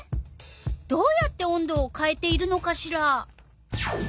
どうやって温度をかえているのかしら？